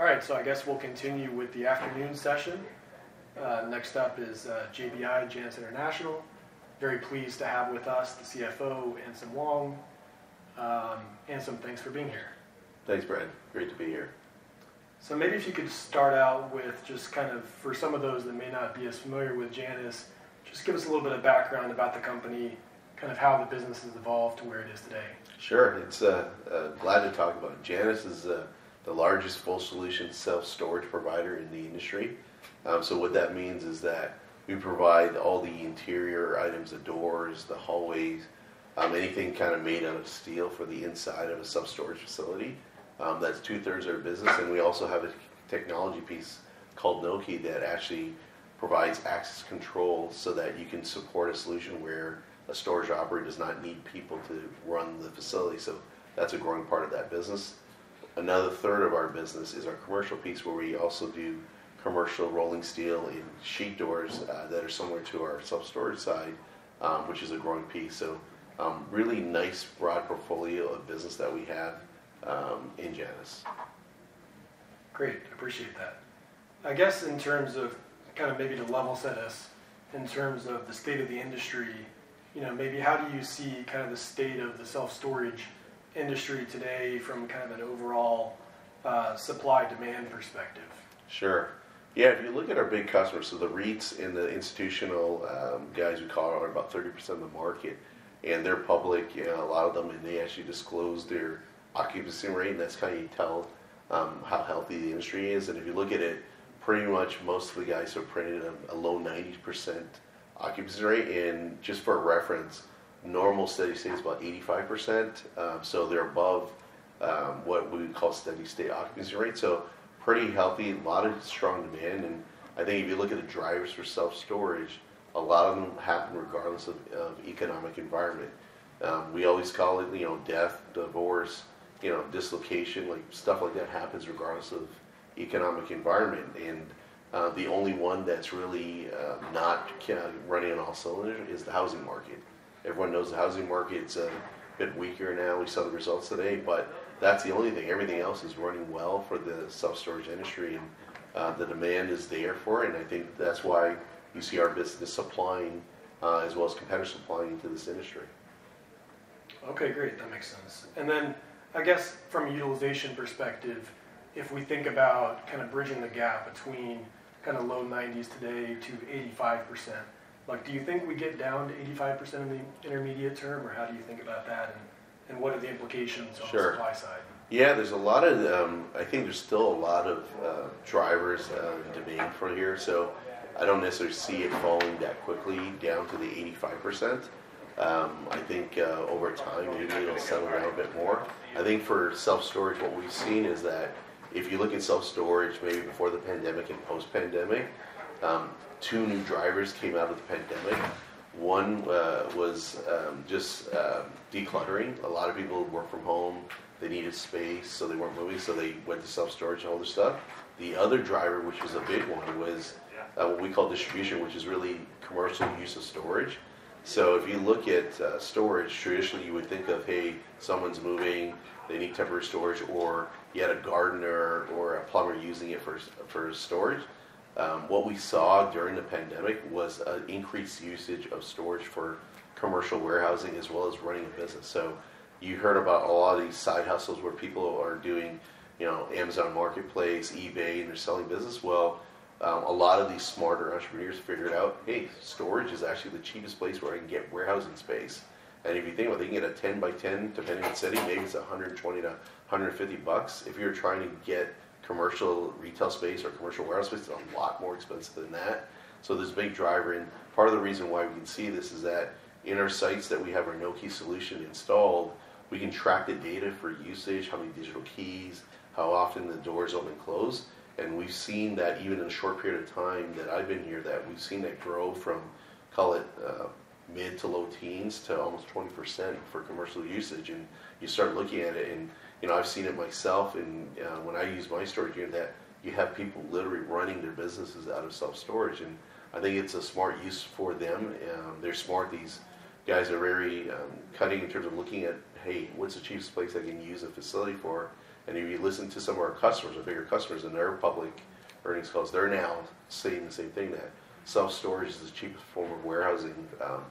All right, so I guess we'll continue with the afternoon session. Next up is JBI, Janus International. Very pleased to have with us the CFO, Anselm Wong. Anselm, thanks for being here. Thanks, Brad. Great to be here. Maybe if you could start out with just kind of for some of those that may not be as familiar with Janus, just give us a little bit of background about the company, kind of how the business has evolved to where it is today? Sure. It's glad to talk about it. Janus is the largest full solution self-storage provider in the industry. So what that means is that we provide all the interior items, the doors, the hallways, anything kind of made out of steel for the inside of a self-storage facility. That's two-thirds of our business, and we also have a technology piece called Nokē that actually provides access control so that you can support a solution where a storage operator does not need people to run the facility. So that's a growing part of that business. Another third of our business is our commercial piece, where we also do commercial rolling steel and sheet doors that are similar to our self-storage side, which is a growing piece. So really nice, broad portfolio of business that we have in Janus. Great. Appreciate that. I guess in terms of kind of maybe to level set us, in terms of the state of the industry, you know, maybe how do you see kind of the state of the self-storage industry today from kind of an overall, supply-demand perspective? Sure. Yeah, if you look at our big customers, so the REITs and the institutional guys we call are about 30% of the market, and they're public, yeah, a lot of them, and they actually disclose their occupancy rate, and that's how you tell how healthy the industry is. If you look at it, pretty much most of the guys are printing a low 90% occupancy rate. Just for reference, normal steady state is about 85%, so they're above what we would call steady state occupancy rate. So pretty healthy, a lot of strong demand, and I think if you look at the drivers for self-storage, a lot of them happen regardless of economic environment. We always call it, you know, death, divorce, you know, dislocation, like, stuff like that happens regardless of economic environment. The only one that's really not kind of running on all cylinders is the housing market. Everyone knows the housing market's a bit weaker now. We saw the results today, but that's the only thing. Everything else is running well for the self-storage industry, and the demand is there for it, and I think that's why you see our business supplying, as well as competitors supplying into this industry. Okay, great. That makes sense. And then I guess from a utilization perspective, if we think about kind of bridging the gap between kind of low 90s today to 85%, like, do you think we get down to 85% in the intermediate term, or how do you think about that, and, and what are the implications- Sure... on the supply side? Yeah, there's a lot of, I think there's still a lot of, drivers of demand for here, so I don't necessarily see it falling that quickly down to the 85%. I think, over time, maybe it'll settle out a bit more. I think for self-storage, what we've seen is that if you look at self-storage, maybe before the pandemic and post-pandemic, two new drivers came out of the pandemic. One was just decluttering. A lot of people work from home. They needed space, so they weren't moving, so they went to self-storage to hold their stuff. The other driver, which was a big one, was- Yeah... what we call distribution, which is really commercial use of storage. So if you look at, storage, traditionally, you would think of, hey, someone's moving, they need temporary storage, or you had a gardener or a plumber using it for storage. What we saw during the pandemic was an increased usage of storage for commercial warehousing, as well as running a business. So you heard about a lot of these side hustles where people are doing, you know, Amazon Marketplace, eBay, and they're selling business. Well, a lot of these smarter entrepreneurs figured out, hey, storage is actually the cheapest place where I can get warehousing space. And if you think about it, you can get a 10-by-10, depending on the city, maybe it's $120-$150. If you're trying to get commercial retail space or commercial warehouse space, it's a lot more expensive than that. So there's a big driver, and part of the reason why we can see this is that in our sites that we have our Nokē solution installed, we can track the data for usage, how many digital keys, how often the doors open and close. And we've seen that even in the short period of time that I've been here, that we've seen it grow from, call it, mid- to low teens to almost 20% for commercial usage. And you start looking at it and, you know, I've seen it myself and, when I use my storage unit, that you have people literally running their businesses out of self-storage, and I think it's a smart use for them. And they're smart. These guys are very cunning in terms of looking at, hey, what's the cheapest place I can use a facility for? And if you listen to some of our customers, our bigger customers, and they're public or exposed, they're now saying the same thing, that self-storage is the cheapest form of warehousing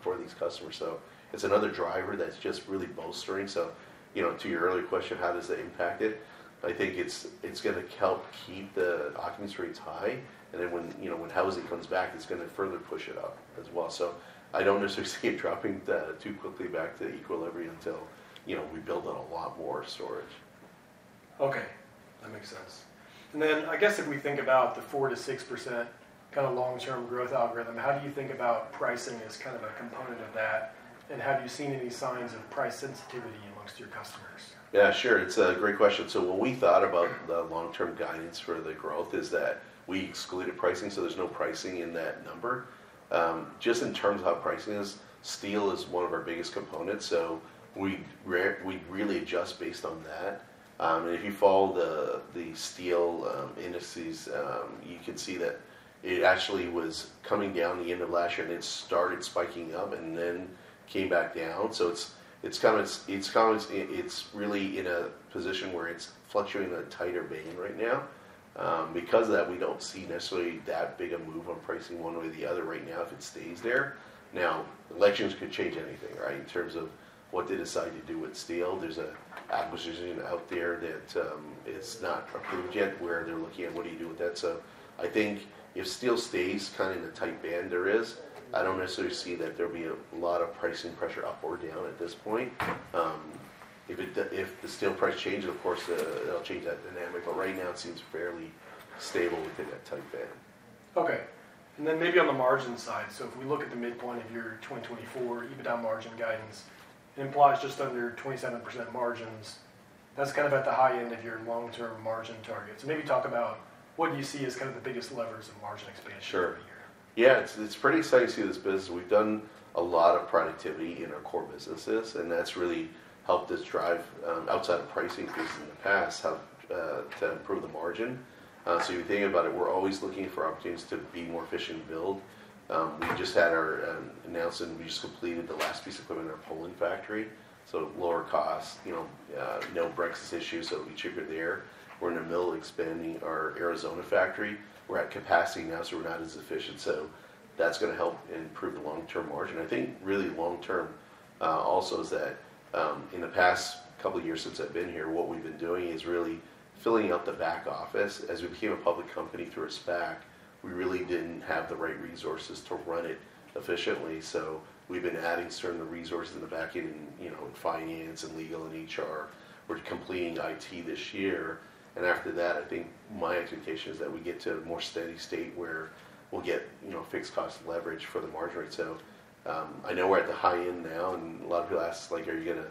for these customers. So it's another driver that's just really bolstering. So, you know, to your earlier question, how does that impact it? I think it's gonna help keep the occupancy rates high, and then when, you know, when housing comes back, it's gonna further push it up as well. So I don't necessarily see it dropping that too quickly back to equilibrium until, you know, we build out a lot more storage. Okay, that makes sense. And then I guess if we think about the 4%-6% kind of long-term growth algorithm, how do you think about pricing as kind of a component of that? And have you seen any signs of price sensitivity amongst your customers? Yeah, sure. It's a great question. So when we thought about the long-term guidance for the growth is that we excluded pricing, so there's no pricing in that number. Just in terms of how pricing is, steel is one of our biggest components, so we really adjust based on that. And if you follow the steel indices, you can see that it actually was coming down the end of last year, and it started spiking up and then came back down. So it's kind of really in a position where it's fluctuating in a tighter band right now. Because of that, we don't see necessarily that big a move on pricing one way or the other right now, if it stays there. Now, elections could change anything, right, in terms of what they decide to do with steel. There's an acquisition out there that is not approved yet, where they're looking at what do you do with that? So I think if steel stays kind of in the tight band there is, I don't necessarily see that there will be a lot of pricing pressure up or down at this point. If the steel price changes, of course, that'll change that dynamic, but right now it seems fairly stable within that tight band.... Okay, and then maybe on the margin side. So if we look at the midpoint of your 2024 EBITDA margin guidance, it implies just under 27% margins. That's kind of at the high end of your long-term margin targets. So maybe talk about what you see as kind of the biggest levers in margin expansion- Sure. over the year. Yeah, it's pretty exciting to see this business. We've done a lot of productivity in our core businesses, and that's really helped us drive outside of price increases in the past, helped to improve the margin. So if you think about it, we're always looking for opportunities to be more efficient and build. We just had our announcement, we just completed the last piece of equipment in our Poland factory. So lower cost, you know, no Brexit issues, so it'll be cheaper there. We're in the middle of expanding our Arizona factory. We're at capacity now, so we're not as efficient. So that's gonna help improve the long-term margin. I think really long term, also is that, in the past couple of years since I've been here, what we've been doing is really filling up the back office. As we became a public company through our SPAC, we really didn't have the right resources to run it efficiently, so we've been adding certain resources in the back end, in, you know, finance and legal and HR. We're completing IT this year, and after that, I think my expectation is that we get to a more steady state where we'll get, you know, fixed cost leverage for the margin rate. So, I know we're at the high end now, and a lot of analysts, like, are you gonna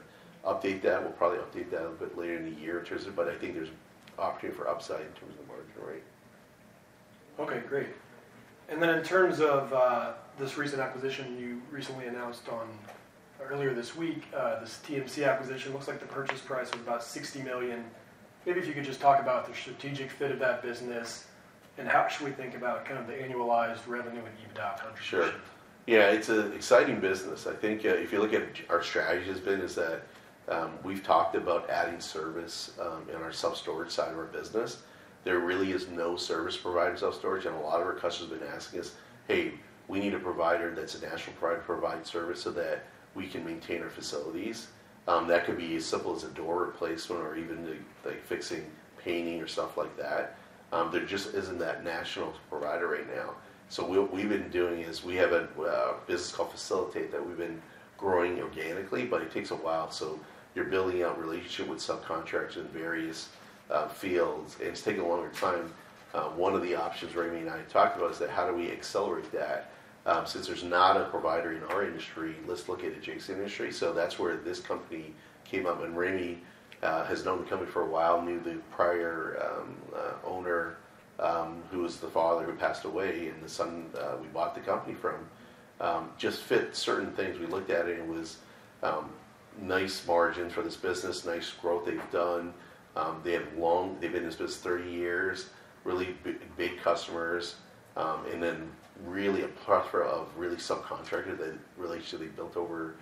update that? We'll probably update that a little bit later in the year in terms of. But I think there's opportunity for upside in terms of the margin rate. Okay, great. And then in terms of, this recent acquisition you recently announced on, earlier this week, this TMC acquisition, looks like the purchase price was about $60 million. Maybe if you could just talk about the strategic fit of that business, and how should we think about kind of the annualized revenue and EBITDA contribution? Sure. Yeah, it's an exciting business. I think, if you look at our strategy has been, is that, we've talked about adding service, in our self-storage side of our business. There really is no service provider in self-storage, and a lot of our customers have been asking us, "Hey, we need a provider that's a national provider to provide service so that we can maintain our facilities." That could be as simple as a door replacement or even, like, fixing, painting or stuff like that. There just isn't that national provider right now. So what we've been doing is we have a business called Facilitate that we've been growing organically, but it takes a while, so you're building out relationship with subcontractors in various fields, and it's taking a longer time. One of the options Ramey and I talked about is that, how do we accelerate that? Since there's not a provider in our industry, let's look at adjacent industry. So that's where this company came up, and Ramey has known the company for a while, knew the prior owner, who was the father, who passed away, and the son we bought the company from. Just fit certain things. We looked at it, and it was nice margin for this business, nice growth they've done. They've been in this business 30 years, really big, big customers, and then really a plethora of really subcontractor that really should be built over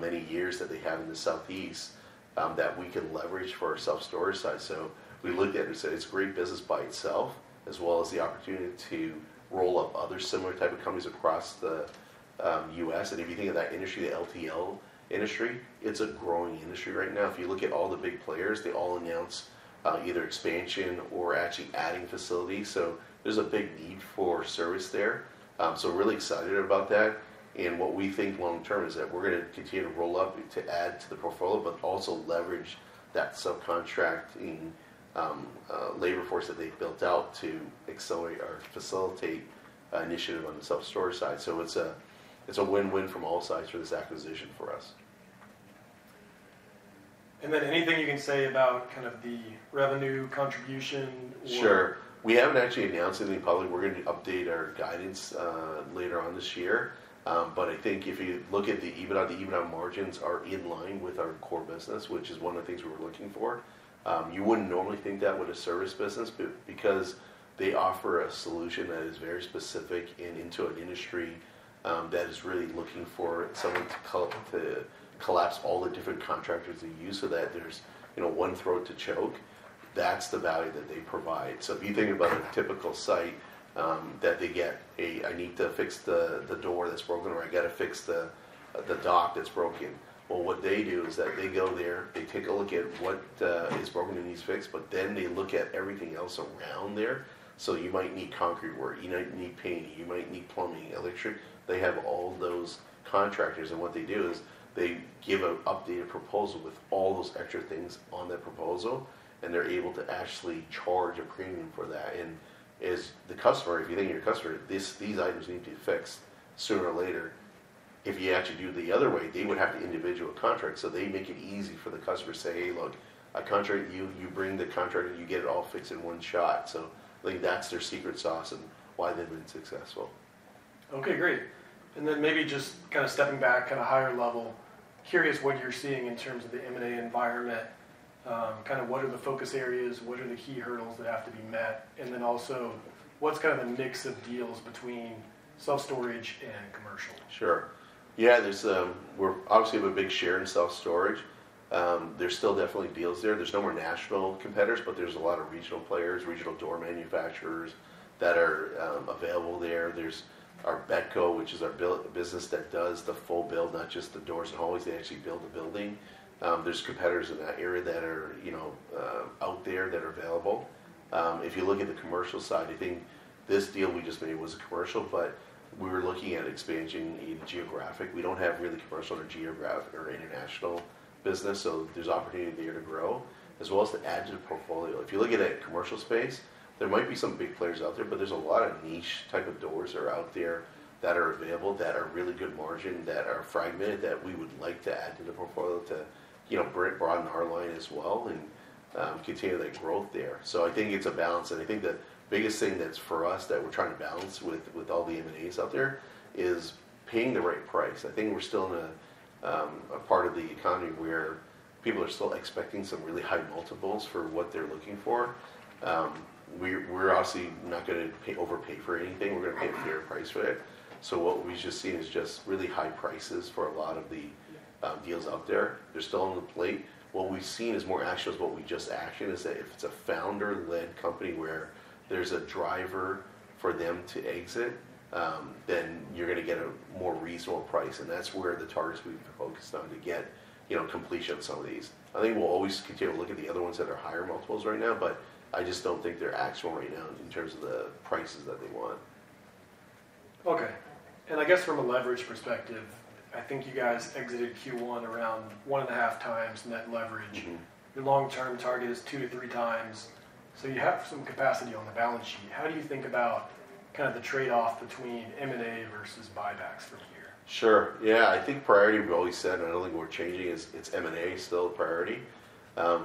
many years that they have in the Southeast, that we can leverage for our self-storage site. So we looked at it and said, "It's a great business by itself, as well as the opportunity to roll up other similar type of companies across the U.S." And if you think of that industry, the LTL industry, it's a growing industry right now. If you look at all the big players, they all announce, either expansion or actually adding facilities, so there's a big need for service there. So we're really excited about that, and what we think long term is that we're gonna continue to roll up to add to the portfolio, but also leverage that subcontracting, labor force that they've built out to accelerate our Facilitate initiative on the self-storage side. So it's a, it's a win-win from all sides for this acquisition for us. And then anything you can say about kind of the revenue contribution or- Sure. We haven't actually announced anything public. We're going to update our guidance later on this year. But I think if you look at the EBITDA, the EBITDA margins are in line with our core business, which is one of the things we were looking for. You wouldn't normally think that with a service business, but because they offer a solution that is very specific and into an industry that is really looking for someone to collapse all the different contractors they use, so that there's, you know, one throat to choke, that's the value that they provide. So if you think about a typical site that they get, I need to fix the door that's broken, or I got to fix the dock that's broken. Well, what they do is that they go there, they take a look at what is broken and needs fixed, but then they look at everything else around there. So you might need concrete work, you might need painting, you might need plumbing, electric. They have all those contractors, and what they do is they give an updated proposal with all those extra things on their proposal, and they're able to actually charge a premium for that. And as the customer, if you think of your customer, these items need to be fixed sooner or later. If you actually do the other way, they would have the individual contract, so they make it easy for the customer to say, "Hey, look, I contract you, you bring the contractor, you get it all fixed in one shot." So I think that's their secret sauce and why they've been successful. Okay, great. And then maybe just kind of stepping back, kind of higher level, curious what you're seeing in terms of the M&A environment, kind of what are the focus areas, what are the key hurdles that have to be met? And then also, what's kind of the mix of deals between self-storage and commercial? Sure. Yeah, we're obviously have a big share in self-storage. There's still definitely deals there. There's no more national competitors, but there's a lot of regional players, regional door manufacturers, that are available there. There's BETCO, which is our build business that does the full build, not just the doors and hallways; they actually build the building. There's competitors in that area that are, you know, out there that are available. If you look at the commercial side of thing, this deal we just made was commercial, but we were looking at expanding in geographic. We don't have really commercial or geographic or international business, so there's opportunity there to grow, as well as to add to the portfolio. If you look at a commercial space, there might be some big players out there, but there's a lot of niche type of doors are out there that are available, that are really good margin, that are fragmented, that we would like to add to the portfolio to, you know, broaden our line as well, and continue that growth there. So I think it's a balance, and I think the biggest thing that's for us, that we're trying to balance with all the M&As out there, is paying the right price. I think we're still in a part of the economy where people are still expecting some really high multiples for what they're looking for. We're obviously not gonna overpay for anything. We're gonna pay a fair price for it. So what we've just seen is just really high prices for a lot of the deals out there. They're still on the plate. What we've seen is more actionable, what we've just actioned, is that if it's a founder-led company where there's a driver for them to exit, then you're gonna get a more reasonable price, and that's where the targets we've been focused on to get, you know, completion on some of these. I think we'll always continue to look at the other ones that are higher multiples right now, but I just don't think they're actionable right now in terms of the prices that they want. Okay. I guess from a leverage perspective, I think you guys exited Q1 around 1.5x net leverage. Mm-hmm. Your long-term target is 2-3 times, so you have some capacity on the balance sheet. How do you think about kind of the trade-off between M&A versus buybacks from here? Sure. Yeah, I think priority, we've always said, and I don't think we're changing, is it's M&A is still a priority.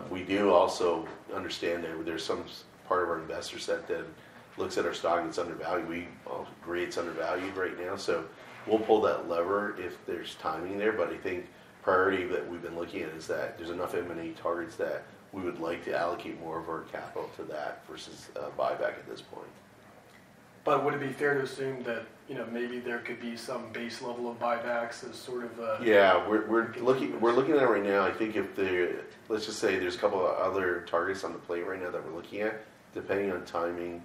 We do also understand that there's some part of our investor set that looks at our stock, and it's undervalued. We, well, agree it's undervalued right now, so we'll pull that lever if there's timing there. But I think priority that we've been looking at is that there's enough M&A targets that we would like to allocate more of our capital to that versus a buyback at this point. But would it be fair to assume that, you know, maybe there could be some base level of buybacks as sort of a- Yeah, we're looking at it right now. I think if the... Let's just say there's a couple of other targets on the plate right now that we're looking at. Depending on timing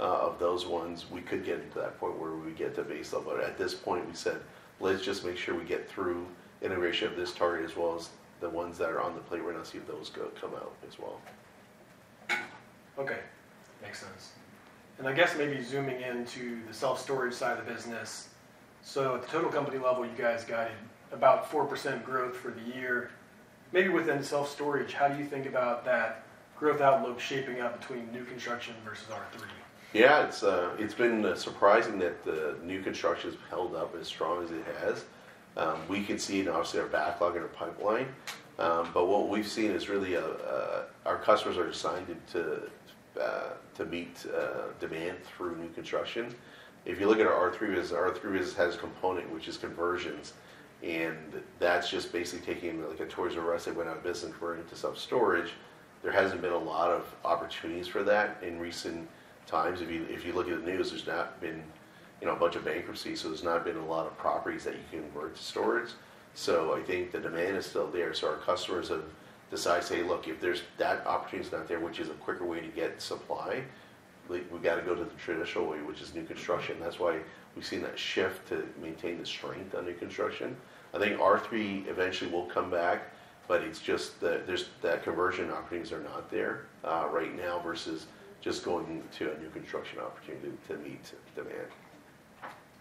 of those ones, we could get to that point where we get to base level. But at this point, we said, "Let's just make sure we get through integration of this target, as well as the ones that are on the plate right now, see if those come out as well. Okay. Makes sense. And I guess maybe zooming into the self-storage side of the business, so at the total company level, you guys guided about 4% growth for the year. Maybe within self-storage, how do you think about that growth outlook shaping out between new construction versus R3? Yeah, it's been surprising that the new construction has held up as strong as it has. We could see it in obviously our backlog and our pipeline, but what we've seen is really our customers are deciding to meet demand through new construction. If you look at our R3, our R3 has a component which is conversions, and that's just basically taking, like, a Toys "R" Us that went out of business and turning it to self-storage. There hasn't been a lot of opportunities for that in recent times. If you look at the news, there's not been, you know, a bunch of bankruptcies, so there's not been a lot of properties that you can convert to storage. So I think the demand is still there. So our customers have decided to say, "Look, if there's that opportunity's not there, which is a quicker way to get supply, we, we've got to go to the traditional way, which is new construction." That's why we've seen that shift to maintain the strength on new construction. I think R3 eventually will come back, but it's just that there's, that conversion opportunities are not there, right now, versus just going into a new construction opportunity to meet demand.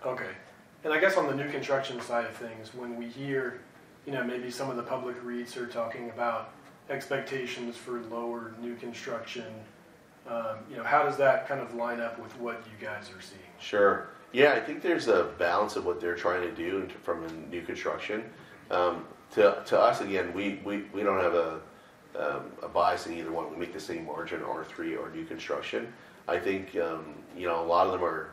Okay. I guess on the new construction side of things, when we hear, you know, maybe some of the public REITs are talking about expectations for lower new construction, you know, how does that kind of line up with what you guys are seeing? Sure. Yeah, I think there's a balance of what they're trying to do in terms from a new construction. To us, again, we don't have a bias in either one. We make the same margin, R3 or new construction. I think, you know, a lot of them are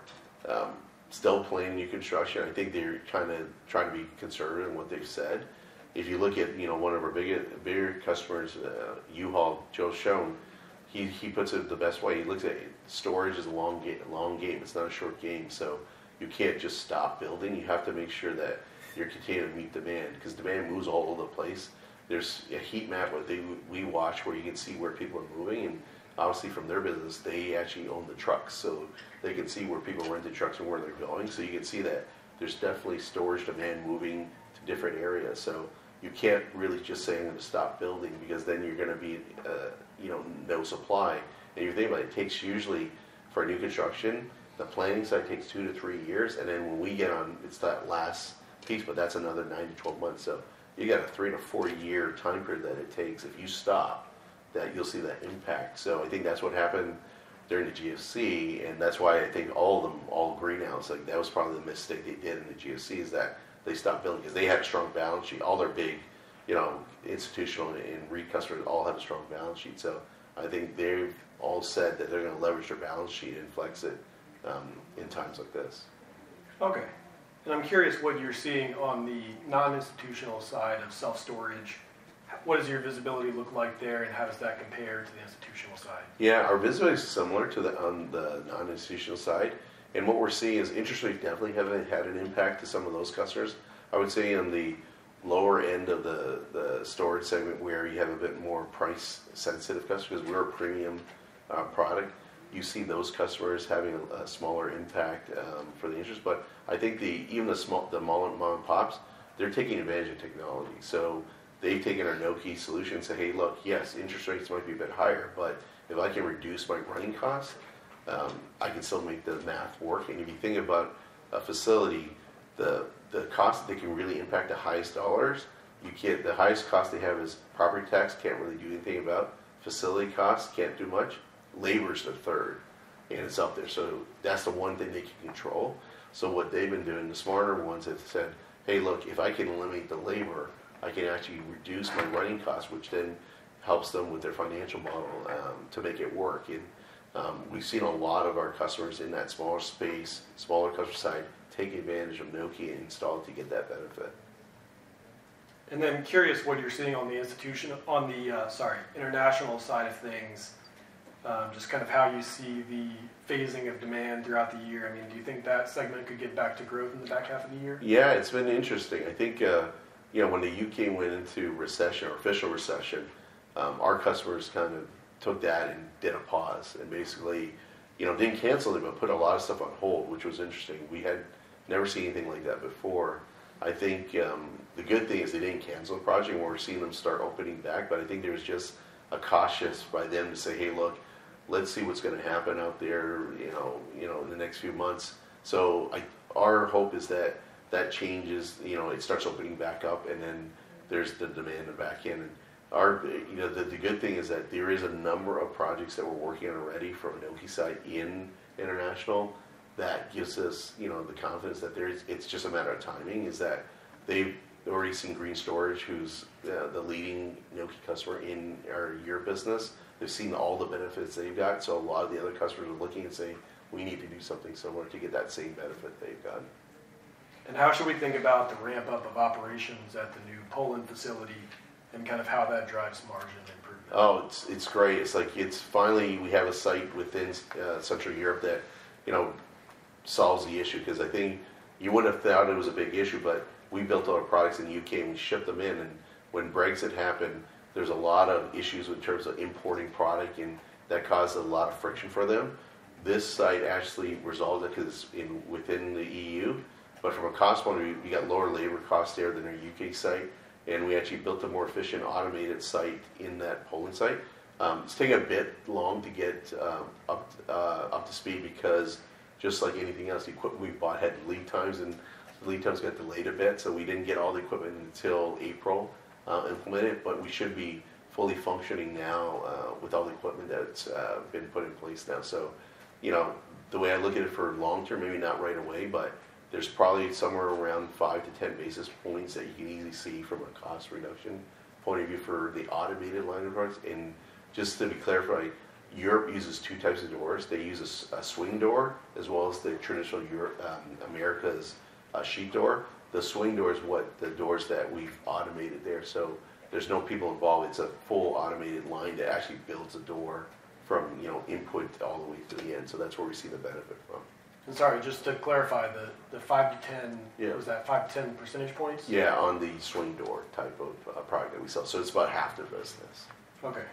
still playing new construction. I think they're kind of trying to be conservative in what they've said. If you look at, you know, one of our bigger customers, U-Haul, Joe Shoen, he puts it the best way. He looks at storage as a long game. It's not a short game. So you can't just stop building. You have to make sure that you're continuing to meet demand, because demand moves all over the place. There's a heat map where they, we watch, where you can see where people are moving. And obviously, from their business, they actually own the trucks, so they can see where people rent the trucks and where they're going. So you can see that there's definitely storage demand moving to different areas. So you can't really just say I'm going to stop building, because then you're gonna be, you know, no supply. And you think about it, it takes usually, for new construction, the planning side takes 2-3 years, and then when we get on, it's that last piece, but that's another 9-12 months. So you got a 3-4-year time period that it takes. If you stop, then you'll see that impact. I think that's what happened during the GFC, and that's why I think all of them, all the REITs, like, that was probably the mistake they did in the GFC, is that they stopped building, because they had strong balance sheet. All their big, you know, institutional and REIT customers all had a strong balance sheet. So I think they've all said that they're gonna leverage their balance sheet and flex it in times like this. Okay. And I'm curious what you're seeing on the non-institutional side of self-storage. What does your visibility look like there, and how does that compare to the institutional side? Yeah, our visibility is similar to the on the non-institutional side, and what we're seeing is interest rates definitely have had an impact to some of those customers. I would say on the lower end of the storage segment, where you have a bit more price-sensitive customer, because we're a premium product, you see those customers having a smaller impact for the interest. But I think even the small mom and pops, they're taking advantage of technology. So they've taken our Nokē solution and said, "Hey, look, yes, interest rates might be a bit higher, but if I can reduce my running costs, I can still make the math work." And if you think about a facility, the costs that can really impact the highest dollars, you can't... The highest cost they have is property tax, can't really do anything about. Facility costs, can't do much. Labor is the third, and it's up there. So that's the one thing they can control. So what they've been doing, the smarter ones have said, "Hey, look, if I can eliminate the labor, I can actually reduce my running costs," which then helps them with their financial model, to make it work. And, we've seen a lot of our customers in that smaller space, smaller customer site, taking advantage of Nokē and installing it to get that benefit. And then curious what you're seeing on the institutional, on the, sorry, international side of things. Just kind of how you see the phasing of demand throughout the year. I mean, do you think that segment could get back to growth in the back half of the year? Yeah, it's been interesting. I think, you know, when the U.K. went into recession, or official recession, our customers kind of took that and did a pause, and basically, you know, didn't cancel them, but put a lot of stuff on hold, which was interesting. We had never seen anything like that before. I think, the good thing is they didn't cancel the project, and we're seeing them start opening back, but I think there was just a cautious by them to say, "Hey, look, let's see what's gonna happen out there, you know, you know, in the next few months." So I-- our hope is that that changes, you know, it starts opening back up, and then there's the demand to back in. And, you know, the good thing is that there is a number of projects that we're working on already from a Nokē side internationally. That gives us, you know, the confidence that there is, it's just a matter of timing, is that they've already seen Green Storage, who's the leading Nokē customer in our EMEA business. They've seen all the benefits they've got, so a lot of the other customers are looking and saying, "We need to do something similar to get that same benefit they've got. How should we think about the ramp-up of operations at the new Poland facility and kind of how that drives margin improvement? Oh, it's great. It's like it's finally we have a site within central Europe that, you know, solves the issue, 'cause I think you wouldn't have thought it was a big issue, but we built all our products in the U.K., and we shipped them in, and when Brexit happened, there's a lot of issues in terms of importing product, and that caused a lot of friction for them. This site actually resolved it 'cause in within the EU, but from a cost point of view, we got lower labor costs there than our U.K. site, and we actually built a more efficient, automated site in that Poland site. It's taking a bit long to get up to speed because just like anything else, the equipment we bought had lead times, and the lead times got delayed a bit, so we didn't get all the equipment until April implemented, but we should be fully functioning now with all the equipment that's been put in place now. So, you know, the way I look at it for long term, maybe not right away, but there's probably somewhere around 5-10 basis points that you can easily see from a cost reduction point of view for the automated line of products. And just to be clear, right, Europe uses two types of doors. They use a swing door as well as the traditional Europe, America's sheet door. The swing door is what the doors that we've automated there, so there's no people involved. It's a full automated line that actually builds a door from, you know, input all the way to the end, so that's where we see the benefit from. Sorry, just to clarify, the 5 to 10- Yeah. Was that 5-10 percentage points? Yeah, on the swing door type of product that we sell, so it's about half the business. Okay.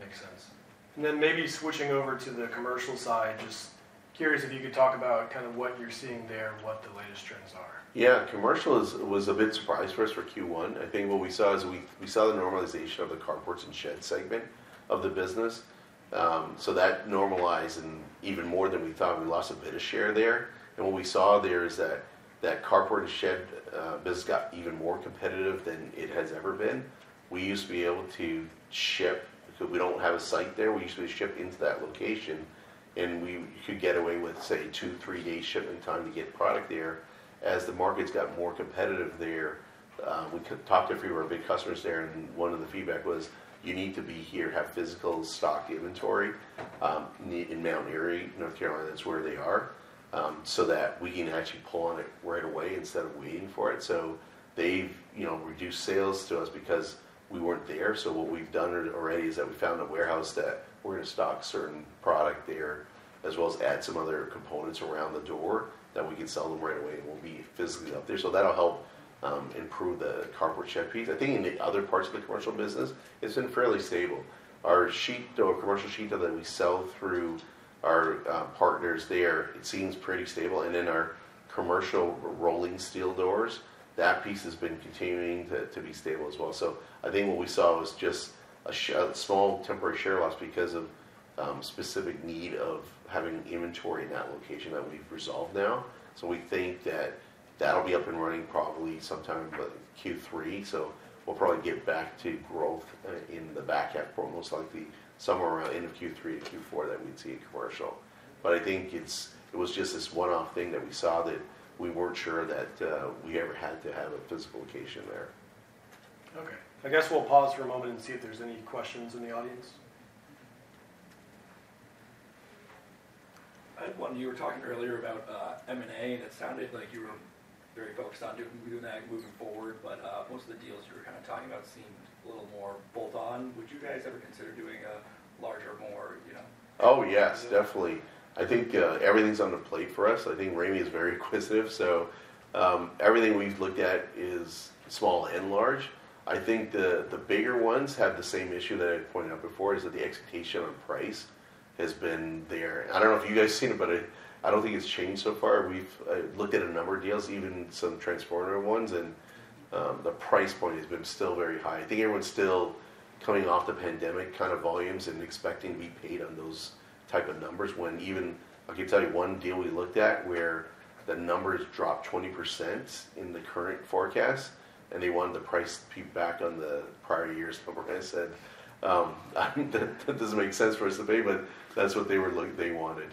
Makes sense. And then maybe switching over to the commercial side, just curious if you could talk about kind of what you're seeing there and what the latest trends are? Yeah, commercial is, was a bit surprise for us for Q1. I think what we saw is we, we saw the normalization of the carports and shed segment of the business. So that normalized, and even more than we thought, we lost a bit of share there. And what we saw there is that that carport and shed biz got even more competitive than it has ever been. We used to be able to ship... So we don't have a site there, we usually ship into that location, and we could get away with, say, 2-3-day shipping time to get product there. As the markets got more competitive there, we talked to a few of our big customers there, and one of the feedback was, "You need to be here, have physical stock inventory, in Mount Airy, North Carolina," that's where they are, so that we can actually pull on it right away instead of waiting for it. So they've, you know, reduced sales to us because we weren't there. So what we've done already is that we found a warehouse that we're gonna stock certain product there, as well as add some other components around the door, that we can sell them right away, and we'll be physically up there. So that'll help, improve the carport shed piece. I think in the other parts of the commercial business, it's been fairly stable. Our sheet door, commercial sheet door that we sell through our partners there, it seems pretty stable, and then our commercial rolling steel doors, that piece has been continuing to be stable as well. So I think what we saw was just a small temporary share loss because of specific need of having inventory in that location that we've resolved now. So we think that that'll be up and running probably sometime by Q3, so we'll probably get back to growth in the back half, or most likely somewhere around end of Q3 to Q4, that we'd see commercial. But I think it was just this one-off thing that we saw that we weren't sure that we ever had to have a physical location there. Okay, I guess we'll pause for a moment and see if there's any questions in the audience. I had one. You were talking earlier about M&A, and it sounded like you were very focused on doing, doing that moving forward, but most of the deals you were kind of talking about seemed a little more bolt on. Would you guys ever consider doing a larger, more, you know- Oh, yes, definitely. I think everything's on the plate for us. I think Ramey is very inquisitive, so everything we've looked at is small and large. I think the bigger ones have the same issue that I pointed out before, is that the expectation on price has been there. I don't know if you guys have seen it, but I don't think it's changed so far. We've looked at a number of deals, even some transformational ones, and the price point has been still very high. I think everyone's still coming off the pandemic kind of volumes and expecting to be paid on those type of numbers, when even I can tell you one deal we looked at where the numbers dropped 20% in the current forecast, and they wanted the price to be back on the prior year's number. I said, "That doesn't make sense for us to pay," but that's what they wanted....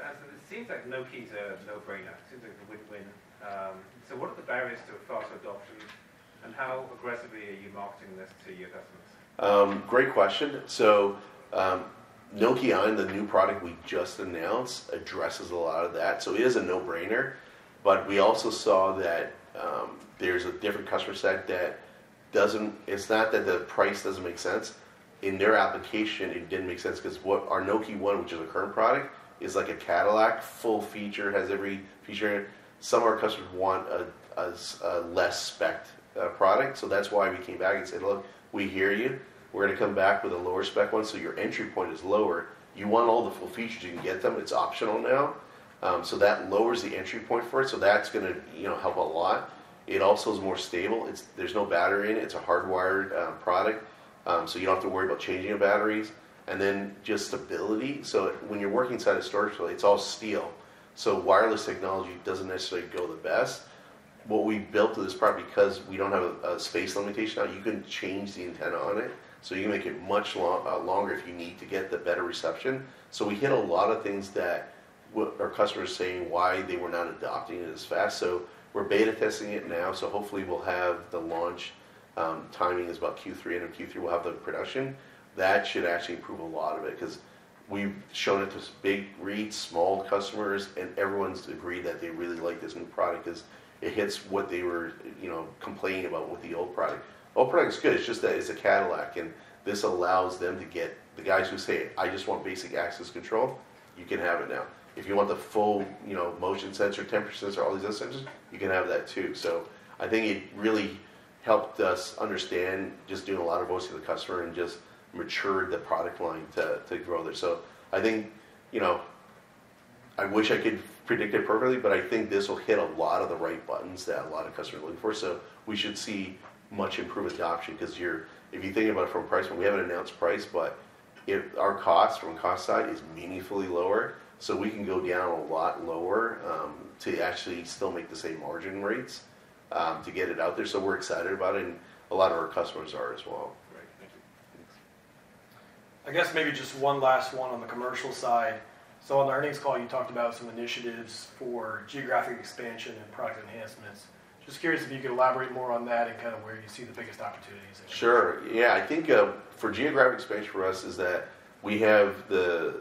It seems like Nokē's a no-brainer. Seems like a win-win. So what are the barriers to faster adoption, and how aggressively are you marketing this to your customers? Great question. So, Nokē Ion, the new product we just announced, addresses a lot of that. So it is a no-brainer, but we also saw that, there's a different customer set that doesn't. It's not that the price doesn't make sense. In their application, it didn't make sense 'cause what our Nokē ONE, which is our current product, is like a Cadillac, full feature, has every feature in it. Some of our customers want a less specced product, so that's why we came back and said, "Look, we hear you. We're gonna come back with a lower spec one, so your entry point is lower. You want all the full features, you can get them. It's optional now." So that lowers the entry point for it, so that's gonna, you know, help a lot. It also is more stable. It's, there's no battery in it. It's a hardwired product, so you don't have to worry about changing the batteries, and then just stability. So when you're working inside a storage facility, it's all steel, so wireless technology doesn't necessarily go the best. What we've built with this product, because we don't have a space limitation now, you can change the antenna on it, so you can make it much longer if you need to get the better reception. So we hit a lot of things that our customers saying why they were not adopting it as fast. So we're beta testing it now, so hopefully we'll have the launch. Timing is about Q3, end of Q3, we'll have the production. That should actually improve a lot of it, 'cause we've shown it to big REITs, small customers, and everyone's agreed that they really like this new product 'cause it hits what they were, you know, complaining about with the old product. Old product's good, it's just that it's a Cadillac, and this allows them to get... The guys who say, "I just want basic access control," you can have it now. If you want the full, you know, motion sensor, temp sensor, all these other sensors, you can have that too. So I think it really helped us understand, just doing a lot of voice of the customer and just matured the product line to, to grow there. So I think, you know, I wish I could predict it perfectly, but I think this will hit a lot of the right buttons that a lot of customers are looking for. So we should see much improved adoption, 'cause if you think about it from a price point, we haven't announced price, but it, our cost from cost side is meaningfully lower, so we can go down a lot lower, to actually still make the same margin rates, to get it out there. So we're excited about it, and a lot of our customers are as well. Great. Thank you. Thanks. I guess maybe just one last one on the commercial side. So on our earnings call, you talked about some initiatives for geographic expansion and product enhancements. Just curious if you could elaborate more on that and kind of where you see the biggest opportunities there? Sure, yeah. I think, for geographic expansion for us is that we have the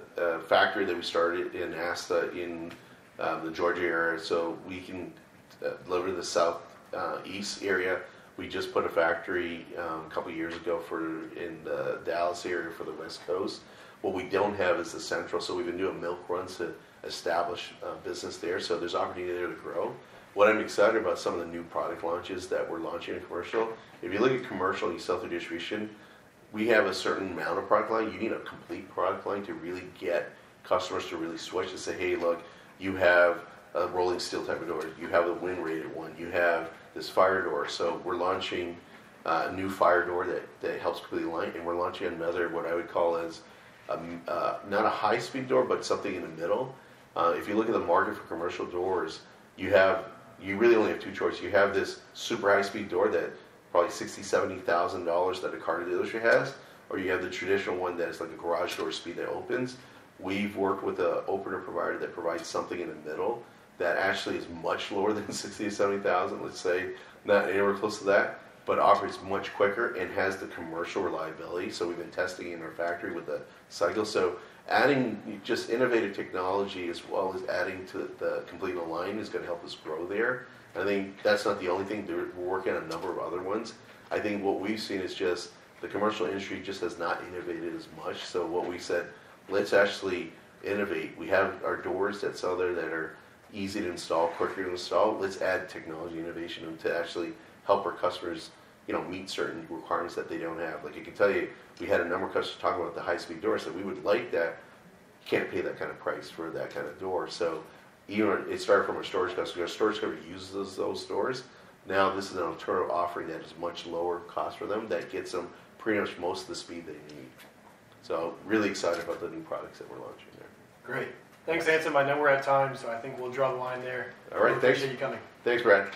factory that we started in ASTA in the Georgia area, so we can deliver to the Southeast area. We just put a factory a couple of years ago in the Dallas area for the West Coast. What we don't have is the central, so we've been doing milk runs to establish a business there, so there's opportunity there to grow. What I'm excited about some of the new product launches that we're launching in commercial, if you look at commercial and self-storage, we have a certain amount of product line. You need a complete product line to really get customers to really switch and say, "Hey, look, you have a rolling steel type of door. You have a wind-rated one. You have this fire door." So we're launching a new fire door that helps quickly align, and we're launching another, what I would call as not a high-speed door, but something in the middle. If you look at the market for commercial doors, you have. You really only have two choices. You have this super high-speed door that probably $60,000-$70,000 that a car dealership has, or you have the traditional one that is like a garage door speed that opens. We've worked with an opener provider that provides something in the middle that actually is much lower than $60,000-$70,000, let's say, not anywhere close to that, but offers much quicker and has the commercial reliability, so we've been testing in our factory with the cycle. So adding just innovative technology as well as adding to the completing the line is gonna help us grow there. I think that's not the only thing. There, we're working on a number of other ones. I think what we've seen is just the commercial industry just has not innovated as much. So what we said, "Let's actually innovate." We have our doors that sell there that are easy to install, quicker to install. Let's add technology innovation to actually help our customers, you know, meet certain requirements that they don't have. Like, I can tell you, we had a number of customers talking about the high-speed doors, that we would like that, can't pay that kind of price for that kind of door. So even it started from a storage customer. Our storage customer uses those, those doors. Now, this is an alternative offering that is much lower cost for them, that gets them pretty much most of the speed they need. So really excited about the new products that we're launching there. Great. Thanks, Anselm. I know we're at time, so I think we'll draw the line there. All right, thanks. Thanks for coming. Thanks, Brad.